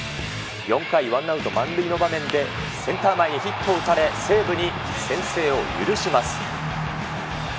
４回、ワンアウト満塁の場面でセンター前にヒットを打たれ、西武に先制を許します。